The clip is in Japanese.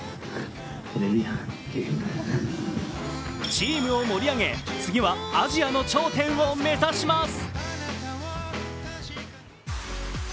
チームを盛り上げ、次はアジアの頂点を目指します。